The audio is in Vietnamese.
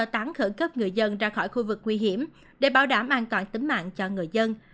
tán khẩn cấp người dân ra khỏi khu vực nguy hiểm để bảo đảm an toàn tính mạng cho người dân